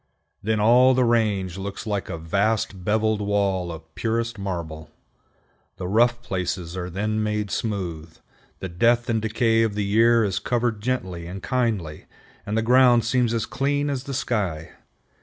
Then all the range looks like a vast beveled wall of purest marble. The rough places are then made smooth, the death and decay of the year is covered gently and kindly, and the ground seems as clean as the sky.